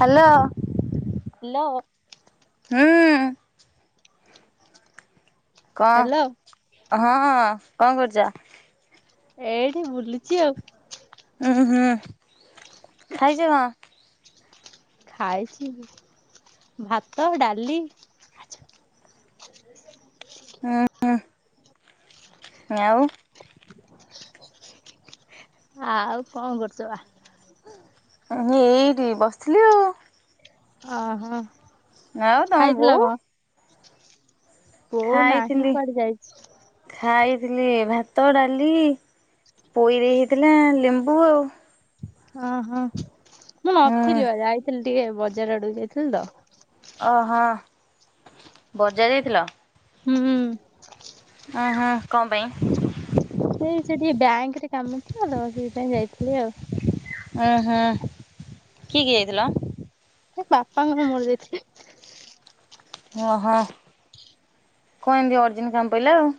Hello. ଲୋ ହୁଁ। Hello କଣ ହଁ କଣ କରୁଛ? ଏଇଠି ବୁଲୁଚି ଆଉ। ଉୁଁ ହୁଁ ଖାଇଛ କଁ? ଖାଇଛି ଭାତ ଡାଲି ହ ହୁଁ। ଆଉ ଆଉ କଣ କରୁଛ ଆ ମୁଁ ଏଇଠି ବସିଥିଲି ଆଉ। ଅ ହ। ଆଉ ତମ ବୋଉ ବୋଉ ନାହିଁ ଖାଇଥିଲି। କୁଆଡେ ଯାଇଛି। ଖାଇଥିଲି ଭାତ ଡାଲି ପୋଇ ଦେଇ ହେଇଥିଲା ଲେମ୍ବୁ ଆଉ। ହଁ ହଁ ମୁଁ ହୁଁ ନଥିଲି ବା ଯାଇଥିଲି ଟିକେ ବଜାର ଆଡକୁ ଯାଇଥିଲି ତ। ଓହୋ ବଯା ଯାଇଥିଲ? ହୁଁ। ଆ ହାଁ କଣ ପାଇଁ? ଏ ସେଠି ଟିକେ ବ୍ୟାଙ୍କ ରେ କାମଥିଲା ତ ସେଥିପାଇ ଯାଇଥିଲି ଆଉ। ଉ ହୁଁ କିଏ କିଏ ଯାଇଥିଲା? ଏ ବାପା ଙ୍କର ମୋର ଯାଇଥିଲୁ। ଓହୋ କଣ ଏମତି ଅରଜେନ୍ କାମ ପହିଲା ଆଉ।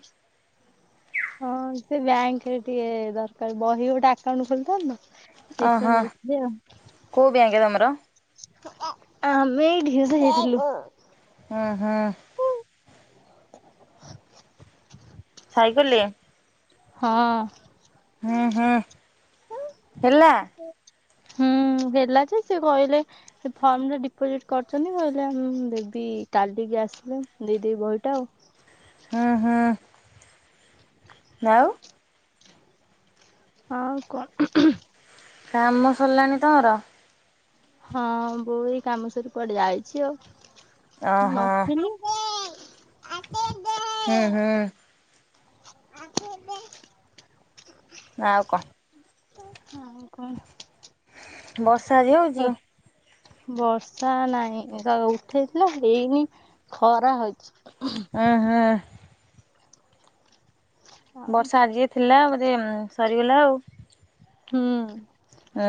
ହଁ ସେ ବ୍ୟାଙ୍କ ରେ ଟିକେ ଦରକାର ବହି ଗୋଟେ ଆକାଉଣ୍ଟ ଖୋଲିଥାନ୍ତ ତ। ସେଇଥି ପାଇଁ ଯାଇ ଥିଲି ଆଉ। କୋ ବ୍ୟାଙ୍କ୍ ତମର? ଆମେଇ ଢିସ ହେଇଥିଲୁ। ଉଁ ହୁଁ। ସାଇକଲ ରେ। ହଁ। ହୁଁ ହୁଁ ହେଲା। ହୁଁ ହେଲା ଯେ ସିଏ କହିଲେ ସେ ଫର୍ମରେ ଡିପୋଜିଟ କରିଛନ୍ତି କହିଲା ଉଁ ଦେବି କାଲିକି ଆସିଲେ ଦେଇଦେବି ବହିଟା ଆଉ। ହୁଁ ହୁଁ। ନାଉ। ଆଉ କଣ? କାମ ସଲାଣି ତମର? ହଁ ବୋଉ ଏଇ କାମସରି କୁଆଡେ ଯାଇଛି ଆଉ ମୁଁ ଓହୋ ନଥିଲି। ତେ ଆତେ ଦେ ହୁଁ ହୁଁ। ଆତେ ଦେ ଆଉ କ? ବର୍ଷା ଆଜି ହଉଛି? [inaudible] ବର୍ଷା ନାଇଁ ଉଠେଇଥିଲା ଆଉ ହେଇନି। ଖରା ହେଇଛି। ଉଁ ହୁଁ। ଆଉ ବର୍ଷା ଆଜି ଥିଲା ବୋଧେ ସରିଗଲା ଆଉ। ହୁଁ ଆଉ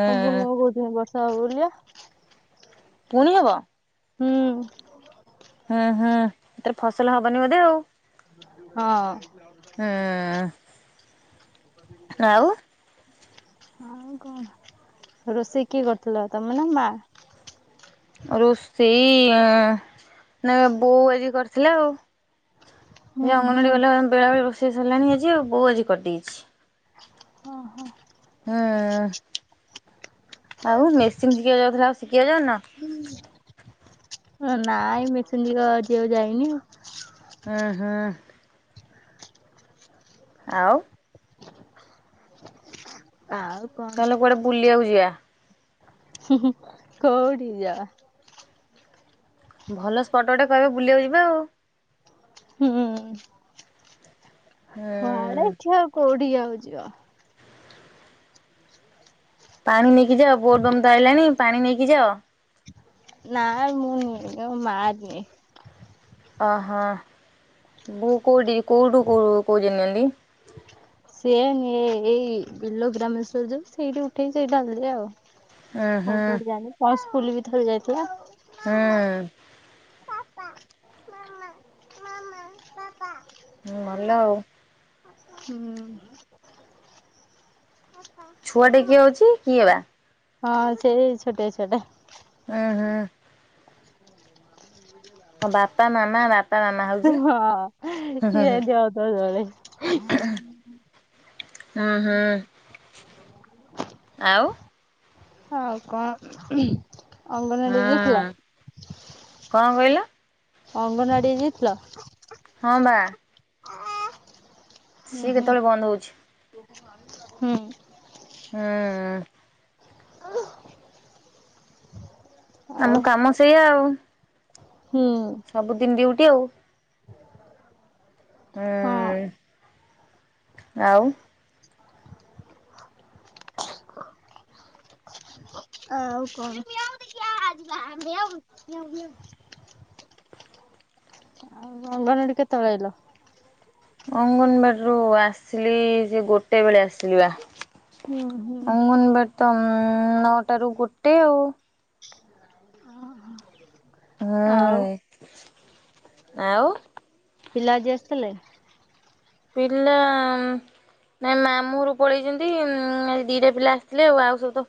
ଉଁ ପୁଣି କଣ କହୁଛନ୍ତି ବର୍ଷା ହବ ବୋଲିଆ। ପୁଣି ହବ? ହୁଁ। ହଁ ହଁ ଏଥିରେ ଫସଲ ହବନି ବୋଧେ ଆଉ। ହଁ। ହୁଁ ଆଉ। ଆଉ କଣ ରୋଷେଇ କିଏ କରୁଥିଲା ତମେ ନା ମା? ରୋଷେଇ ଆଁ ନାବା ବୋଉ ଆଜି କରିଥିଲା ଆଉ। ହୁଁ ଏ ହୁଁ ଅଙ୍ଗନାବାଡି ବାଲା ବେଳା ବେଳି ରୋଷେଇ ସରିଲାଣି ଆଜି ଆଉ ବୋଉ ଆଜି କରିଦେଇଛି। ହଁ ହଁ। ହଁ। ଆଉ ମେସିନ୍ ସିଖିଆ ଯାଉଥିଲା ଆଉ ଶିଖିଆ ଯାଉନ? ନାଇଁ ମେସିନ୍ ସିଖିଆକୁ ଆଜି ଆଉ ଯାଇନି। ଆଁ ହଁ। ଆଉ ଆଉ କଣ ତାହାଲେ କୁଆଡେ ବୁଲିବାକୁ ଯିବା? ହୁଁ ହୁଁ କଉଠି କି ଯିବା? ଭଲ ସ୍ପଟ ଗୋଟେ କହିବେ ବୁଲିବାକୁ ଯିବା ଆଉ? ହୁଁ, କୁଆଡେ ହୁଁ ଇଚ୍ଛା ଆଉ କୋଉଠି କି ଆଉ ଯିବା। ପାଣି ନେଇକି ଯାଅ ବୋଲବମ୍ ତ ଆଇଲାଣି ପାଣି ନେଇକି ଯାଅ? ନାଇ ମୁଁ ନିଏନି ମୋ ମା ନିଏ। ଅହଁ, ବୋଉ କଉଠି କଉଠୁ କଉ ଯାକେ ନିଅନ୍ତି? ସିଏ ନିଏ ଏଇ ବିଲ ଗ୍ରାମେଶ୍ଵର ଯୋଉ ସେଇଠି ଉଠେଇକି ସେଇଠି ଢାଳିଦିଏ ଆଉ। ଉଁ ଆଉ ହୁଁ କୁଆଡେ ଯାଇନି ପଞ୍ଚପୁଲି ବି ଥରେ ଯାଇଥିଲା। ହୁଁ। ହୁଁ ଭଲ ଆଉ। ହୁଁ। ଛୁଆ ଟେ କିଏ ଅଛି କିଏ ବା? ହଁ ସେଇ ଛୋଟିଆ ଛୁଆଟା। ଉଁହୁଁ। ହଁ ବାପା, ମାମା ବା ହଁ ଏ ହୁଁ ସେମିତି ହଉଥିବ ସବୁବେଳେ [unintelligible] ଅହଁ, ଆଉ ଆଉ କଣ ଅଙ୍ଗନବାଡି ଯାଇଥିଲ ହଁ, କଣ କହିଲ? ଅଙ୍ଗନବାଡି ଯାଇଥିଲ? ହଁ ବା। ସିଏ ଉହୁଁ, କେତେବେଳେ ବନ୍ଦ ହଉଛି ହୁଁ। ହୁଁ। [unintelligible] ଆମ କାମ ସେଇଆ ଆଉ। ହୁଁ। ସବୁଦିନ ଡିଉଟି ଆଉ? ହଁ। ହୁଁ ଆଉ? [inaudible] ଆଉ କଣ? [unintelligible] ଅଙ୍ଗନବାଡିରୁ କେତେବେଳେ ଆଇଲ? ଅଙ୍ଗନବାଡିରୁୁ ଆସିଲି ସେ ଗୋଟେ ବେଳେ ଆସିଲି ବା। ହୁଁ ହୁଁ। ଅଙ୍ଗନବାଡିତ ତ ନଅଟାରୁ ଗୋଟେ ଆଉ। ଅହ। ହୁଁ, ଆଉ ପିଲା ଆଜି ଆସିଥିଲେ? ପିଲା ନାଇଁ ମାମୁଁଘରକୁ ପଳେଇଛନ୍ତି। ଦିଟା ପିଲା ଆସିଥିଲେ ଆଉ। ଆଉ ସବୁତ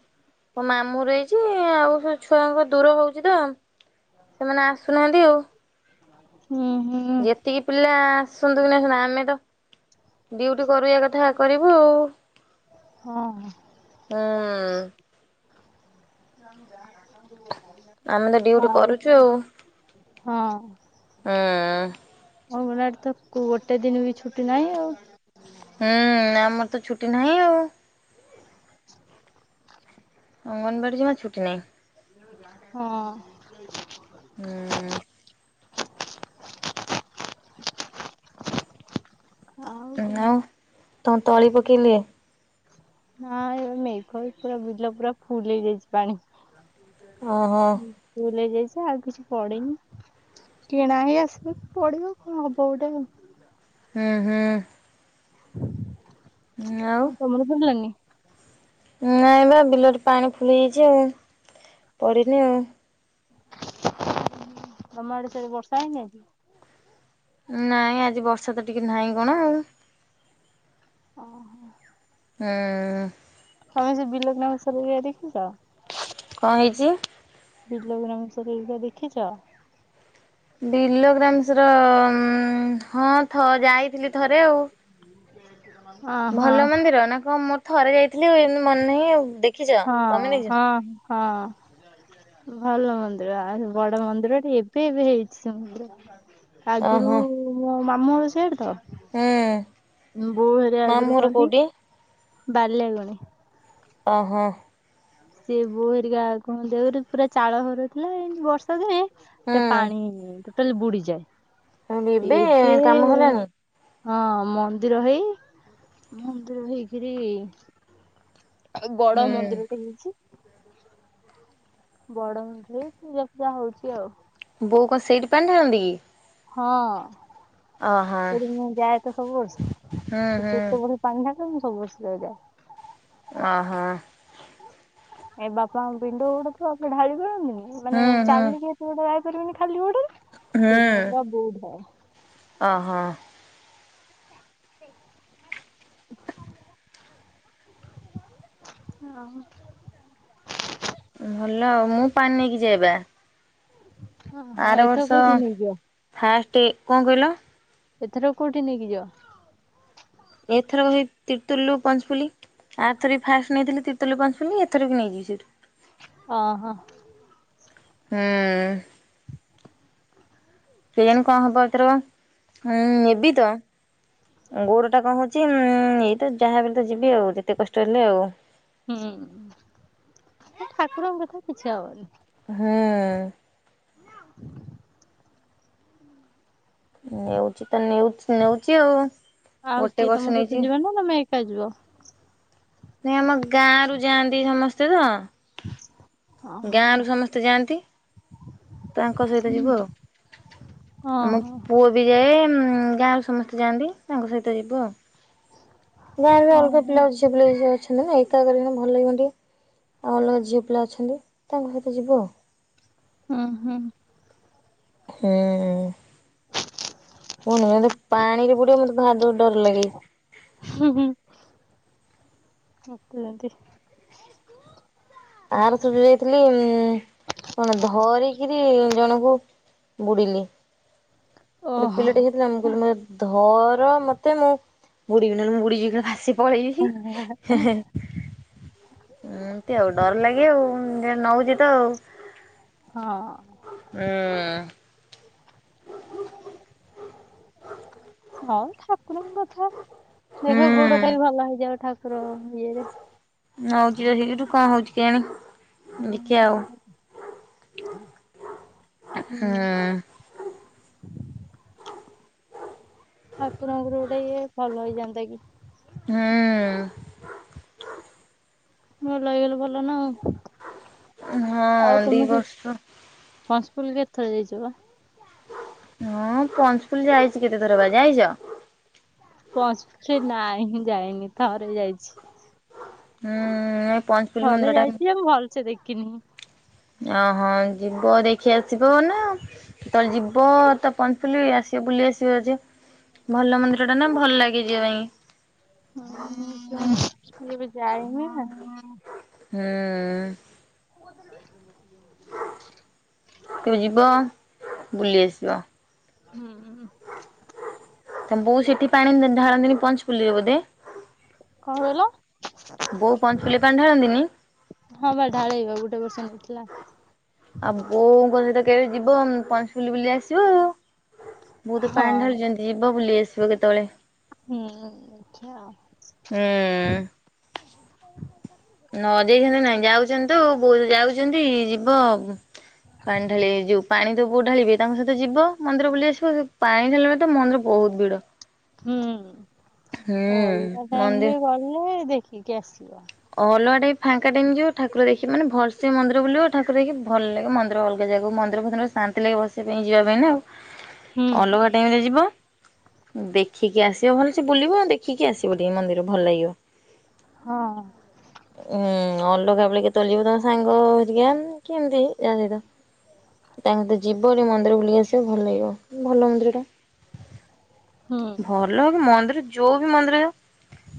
ମାମୁଁ ଘର ଯାଇଚି। ଆଉ ସବୁ ଛୁଆଙ୍କ ଦୂର ହଉଛି ତ ସେମାନେ ଆସୁନାହାନ୍ତି ଆଉ। ହୁଁ ହୁଁ। ଯେତିକି ପିଲା ଆସନ୍ତୁ କି ନାସୁନା ଆମେ ତ ଡୁଟି କରିବା କଥା କରିବୁ ଆଉ। ହଁ। ହଁ। ଯା ଆମେ ତ ଡଉଟି କରୁଛୁ ଆଉ ହଁ ହୁଁ। ଅଙ୍ଗନାଡ ତ ଗୋଟେ ଦିନ ବି ଛୁଟି ନାହିଁ ଆଉ। ହୁଁ ଆମର ତ ଛୁଟି ନାହିଁ ଆଉ। ଅଙ୍ଗନବାଡ଼ି ଯମା ଛୁଟି ନାହିଁ। ହଁ। ହଁ। ଆଉ ତମ ତଳି ପକେଇଲେ। ହଁ ଏ ମେଘ ପୁରା ବୁିଲ ପୁରା ଫୁଲ ହେଇ ଯାଇଛି ପାଣି। ଓହୋ ଫୁଲ ହେଜାଇଚି ଆଉ କିଛି ପଡିନି। କିଣା ହେଇ ଆସିବ ପଡିବ କଣ ହବ ଗୋଟେ ଆଉ। ହୁଁ ହୁଁ। ଆଉ ହଁ ତମର ପରିଲନି [unintelligible] ନାଇଁ ବା ବିଲରେ ପାଣି ଫୁଲିଯାଇଛି ଆଉ ପଡ଼ିନି ଆଉ। ତମ ଆଡେ ତରେ ବର୍ଷା ହେଇନି ଆଜି। ନାଇଁ ଆଜି ବର୍ଷା ତ ଟିକେ ନାହିଁ କଣ ଆଉ। ଓ ହୋ। ହଁ। ତମେ ସେ ବିଲଗ ଘ ସର ଯ ଦେଖିଛ। କଣ ହେଇଛି? ବିଲ ଘରିକା ସବୁ ଦେଖିଛ। ବିଲ ଗ୍ରାମସର ହଁ ଯାଇଥିଲି ଥରେ ଆଉ। ଅହ। ହଁ ଭଲ ମନ୍ଦିର ନା କଣ ମୋର ଥରେ ଯାଇଥିଲି ମନେ ନାହିଁ। ଦେଖିଛ ହଁ ତମେ ଦେଖିଛ? ହଁ ହଁ। ଭଲ ମନ୍ଦିର ଆ ବଡ ମନ୍ଦିର ଟେ ଏବେ ଏବେ ହେଇଛି। ଓହୋ ଆଗରୁ ମୋ ମାମୁଳ ସେଡ ତ ହୁଁ ବୋହରେ ଆଗରୁ ମାମୁଁ ଘର କୁହନ୍ତି କୋଉଠି? ବାରିଲ ଆଗୁନି। ଓହ। ବୋହରିକା କୁଣନ୍ତିଉରେ ପୁରା ଚାଳ ହରୁ ଥିଲା ଏମିତି ବର୍ଷା ଦୁହେଁ। ଏ ପାଣି ହୁଁ ଟୋଟାଲି ବୁଡିଯାଏ ଏବେ କାମ ହେଲାଣି? ହଁ ମନ୍ଦିର ହେଇ ମନ୍ଦିର ହେଇକରି ଆଉ ଗଡ ହୁଁ ମନ୍ଦିରଟେ ହେଇଛି। ବଡ ହେରେ ପୂଜା ପୂଜା ହଉଛି ଆଉ। ବୋଉ କଣ ସେଇଟ୍ ପାଣି ଢାଳନ୍ତି କି? ହଁ ଓହୋ ସେଠି ମୁଁ ଯାଏ ତ ସବୁ ବର୍ଷ ହୁଁ ହୁଁ ଯେତେବେଳେ ବାନ୍ଧାକ ମୁଁ ସବୁ ବର୍ଷ ଯାଏ। ହଁ। ଏ ବାପା ପିଣ୍ଡ ଗୋଡେ ଆେ ଢାଳି ପଳନ୍ତିନି ମାନେ ହୁଁ ହୁଁ ଚାଲିକି ଏତେ ଗୋଟେ ଯାଇପାରିବେନି ଖାଲି ଗୋଡେରେ। ସେ ମହଙ୍ଗା ବହୁଡ ହ [unintelligible] ଓ ହୋ। ହ ଓୋ। ଭଲ ଆଉ ମୁଁ ପାଣି ନେଇକି ଯାଏବା। ଓ ହଁ ଏଥ କୋଉଠି ନେଇଯିଅ। ଫାଷ୍ଟ କଁ କହିଲ? ଏଥର କୋଉଠି ନେଇକି ଜିଅ। ଏଥର ସେ ତିର୍ତୁଲୁ ପଞ୍ଚପୁଲି। ଆର୍ଥରେ ଫାଷ୍ଟ ନେଇଥିଲିତିର୍ତଲ ପଞ୍ଚ ପିଲି ଏଥରକୁ ନେଇଯି ସେ। ଅ ହ। ହୁଁ। କେୟାଣୀ କଣ ହବ ଏକ ଉଁ ନେବି ତ ଗୋଡ ଟା କଣ ହଉଛି ଏଇତ ଯାହାବ ତ ଯିବି ଆଉ ଯେତେ କଷ୍ଟ ହେଲେ ଆଉ। ହୁଁ ଠାକୁରଙ୍କ କଥା କିଛି ହବନି। ହୁଁ। ହୁଁ। [inaudible] ନଉଛି ତ ନେଉଛି ନେଉଛି ଆଉ। ଆଉ ଗୋଟେ କିଏ ବର୍ଷ ତମ ସହିତ ନେଇଛି। ଯିବ ନା ତମେ ଏକା ଯିବ? ନାଇଁ ଆମ ଗାଁ ରୁ ଯାଆନ୍ତି ସମସ୍ତେ ତ। ଅହଁ ଗାଁରୁ ସମସ୍ତେ ଯାଆନ୍ତି। ତାଙ୍କ ସହିତ ଯିବୁ ଆଉ। ଓ ଆମ ହୋ। ପୁଅ ବି ଯାଏ ଗାଁରୁ ସମସ୍ତେ ଯାଆନ୍ତି ତାଙ୍କ ସହିତ ଯିବୁ ଆଉ। ଗାଁରେ ଅଲଗା ଅହଁ ପିଲା ଅଛି ବୋଲି ଅଛନ୍ତି [unintelligible] ଆଉ ଅଲଗା ଝିଅ ପିଲା ଅଛନ୍ତି ତାଙ୍କ ସହିତ ଯିବୁ ଆଉ। ହୁଁ ହୁଁ। ହୁଁ କୁହନୁ ମେ ପାଣିରେ ବୁଡିବ ମତେ ଭାର ଜୋରେ ଡର ଲାଗେ। [unintelligible] ଆରଥର ଯାଇଥିଲି ଉ କଣ ଧରିକିରି ଜଣଙ୍କୁ ବୁଡ଼ିଲି। ଗୋଟେ ଓହୋ ପିଲାଟେ ହେଇଥିଲା ମୁଁ କହିଲି ମ ଧର ମତେ ମୁଁ ବୁଡ଼ିବିନି ମୁଁ ବୁଡ଼ିଯିବି ନଲେ ଭାସି ପଳେଇବି, ଏମତି ଆଉ। ଡର ଲାଗେ ଆଉ ଯେ ନଉଛି ତ ଆଉ। ହଁ। ଉଁ। ହଁ ଠାକୁରଙ୍କ କଥା, ଦେଖ ହୁଁ ଗୋଡ ଟା ବି ଭଲ ହେଇଯାଉ ଠାକୁର ଇଏରେ। ନଉଛି ତ ସେଠୁ କଣ ହଉଚି କେଆଣୀ ଦେଖିଆ ଆଉ। ହୁଁ। ଠାକୁରଙ୍କର ଗୋଟେ ଇଏ ଭଲ ହେଇଯାନ୍ତା କି। ହୁଁ। ଭଲହେଇଗଲେ ଭଲ ନା ଆଉ। ହଁ ଦି ବର୍ଷ ପଞ୍ଚପଲିକେ ଥର ଯାଇଚି ପା। ହଁ ପଞ୍ଚପୁଲ ଯାଇଛି କେତେଥର ବା ଯାଇଛ। ପହଞ୍ଚୁ ସେ ନାଇଁଁ ଯାଇନି ଥରେ ଯାଇଛି। ହୁଁ ଏ ପଞ୍ଚ ଥରେ ଯାଇଛି ଆ ମୁ ଭଲସେ ଦେଖିନି। ଅ ହଁ ଯିବ ଦେଖି ଆସିବ ନା। ତଳେ ଯିବ ତ ପଞ୍ଚଲି ଆସିବ ବୁଲି ଆସିବ ଯେ। ଭଲ ମନ୍ଦିର ଟା ନା ଭଲ୍ ଲାଗେ ଯିବା ପାଇଁ। [inaudible] ମୁଁ ଏବେ ଯାଇନି ନା। ହେଁ। ମୁଁ ଅଛନ୍ତି [inaudible] ତୁ ଯିବ ବୁଲି ଆସିବ। ହୁଁ ଉଁ ଉଁ [inaudible] ତମ ବୋଉ ସେଠି ପାଣି ଢାଳନ୍ତିନି ପଞ୍ଚପୁଲୀରେ ବୋଧେ। କଣ କହିଲ ବୋଉ ପଞ୍ଚପୁଲି ପାଣି ଢାଳନ୍ତିନି। ହଁ ବା ଢାଳେଇବା ଗୋଟେ ବର୍ଷ ନେଇଥିଲା। ଆ ବୋଉଙ୍କ ସହିତ କେବେ ଯିବ ପଞ୍ଚପୁଲି ବୁଲି ଆସିବ ଆଉ। ବୋଉ ପାଣି ହଁ ଢାଳିଛନ୍ତି ଯିବ ବୁଲି ଆସିବ କେତେବେଳେ। ହୁଁ ଆଚ୍ଛା ଆଉ। ହୁଁ। ନ ଦେଇନ୍ତାନ୍ତେ ନାଇଁ ଯାଉଛନ୍ତି ତ ବୋଉ ତ ଯାଉଛନ୍ତି ଯିବ। ପାଣି ଢାଳିଏ ଯୋଉ ପାଣି ତ ବୋଉ ଢାଳିବେ ତାଙ୍କ ସହିତ ଯିବ ମନ୍ଦିର ବୁଲି ଆସିବ ପାଣି ଢାଳିଲା ବେଳେ ତ ମନୁକୁ। ବହୁତୁ ଭିଡ। ହୁଁ ହୁଁ ଅଲଗା ଟାଇମି ମନ୍ଦିର ରେ ଗଲେ ଦେଖିକି ଆସିବ। ଅଲଗା ଟାଇମି ଫାଙ୍କା ଟାଇମି ଯିବ ଠାକୁର ଦେଖିାମାନେ ଭଲ୍ ସେ ମନ୍ଦିର ବୁଲିବ ଠାକୁର ଦେଖି ଭଲ୍ ଲାଗେ ମନ୍ଦିର ଭଲ। ସେ ଜାଗାକୁ ମନ୍ଦିର, ଫନ୍ଦିର ଶାନ୍ତି ଲାଗେ ବସିବା ପାଇଁ ଯିବା ପାଇଁ ନାଁ ହୁଁ ଅଲଗା ଟାଇମରେ ଯିବ। ଦେଖିକି ଆସିବ ଭଲ୍ ସେ ବୁଲିବ ଦେଖିକି ଆସିବ ଟିକେ ମନ୍ଦିର ଭଲ ଲାଗିବ। ହଁ। ଉୁଁ ଅଲଗା ବେଳେ କେତେବେଳୁ ଯିବୁ ତମ ସାଙ୍ଗ ହେରିକା କେମିତି ଯାହା ସହିତ। ଏମିତି ଯିବ ଯୋଉ ମନ୍ଦିର ବୁଲିକି ଆସିବ ଭଲ ଲାଗିବ ଭଲ ମନ୍ଦିର ଟା। ହୁଁ। ଭଲ ମନ୍ଦିର ବି। ଯୋଉ ବି ମନ୍ଦିର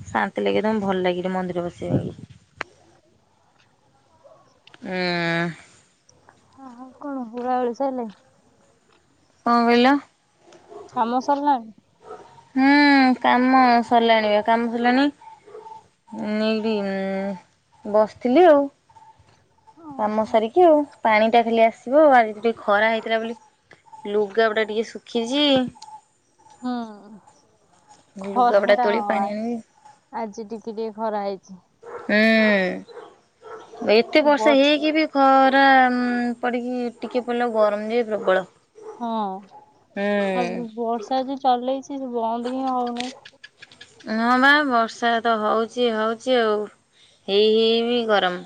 ଶାନ୍ତି ଲାଗେ ତମ ଭଲ ଲାଗେ ମନ୍ଦିର ବସିବା ଲାଗି। [unintelligible] ହୁଁ। ହଁଆଉ କଣ ଉଳାଉଳି ସଇଲେଇ। କଣ କହିଲ। କାମ ସରିଲାଣି? ହୁଁ କାମ ସରିଲାଣି ବା କାମ ସରିଲାଣି। ନିଡ଼ି ବସିଥିଲି ଆଉ। କାମ ସାରିକି ଆଉ ପାଣି ଟା ଖାଲି ଆସିବ ଆଜି ଟିକେ ଖରା ହେଇଥିଲା ବୋଲି ଲୁଗାପଟା ଟିକେ ଶୁଖିଛି। ହୁଁ ଲୁଗାପଟା ଖରା ଟା ତୋଳି ହଁ ପାଣି ଆଣିବି। ଆଜି ଟିକେ ଟିକେ ଖରା ହେଇଛି। ହୁଁ ଏତେ ବର୍ଷା ହେଇକି ବି ଖରା ପଡିକି ଟିକେ ପଡିଲା ବେଳୁ ଗରମ ଯେ ପ୍ରବଳ ହଁ ହୁଁ। ସେ ଆଜି ଚଲେଇଛି ବନ୍ଦ ହିଁ ହଉନି। ହଁ ବା ବର୍ଷା ତ ହଉଛି -ହଉଛି ଆଉ ହେଇ- ହେଇ ବିି ଗରମ।